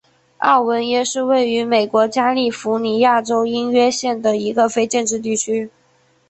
奥文约是位于美国加利福尼亚州因约县的一个非建制地区。